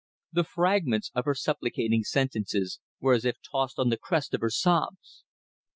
The fragments of her supplicating sentences were as if tossed on the crest of her sobs.